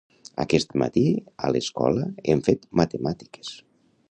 Aquest matí a l'escola hem fet matemàtiques.